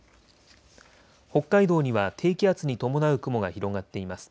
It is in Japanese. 北海道には低気圧に伴う雲が広がっています。